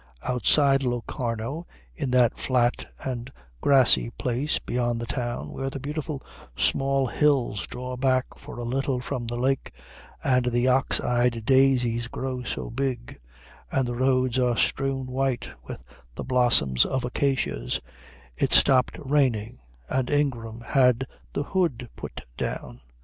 Outside Locarno, in that flat and grassy place beyond the town where the beautiful small hills draw back for a little from the lake, and the ox eyed daisies grow so big, and the roads are strewn white with the blossoms of acacias, it stopped raining and Ingram had the hood put down.